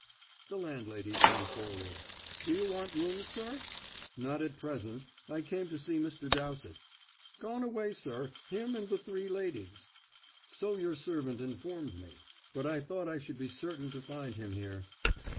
The landlady came forward. "Do you want rooms, sir?" "Not at present. I came to see Mr. Dowsett." "Gone away, sir; him and the three ladies." "So your servant informed me; but I thought I should be certain to find him here.